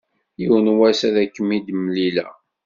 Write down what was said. Yiwen was ad akem-id-mlileɣ.